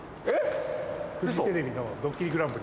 えっ？